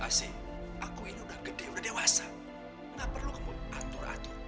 aku ini udah gede udah dewasa gak perlu kamu atur atur